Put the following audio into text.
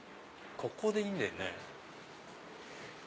ここでいいんだよね？